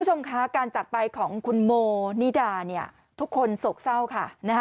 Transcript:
คุณผู้ชมคะการจากไปของคุณโมนิดาทุกคนโศกเศร้าค่ะ